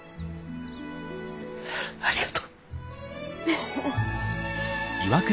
ありがとう。